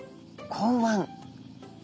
口腕。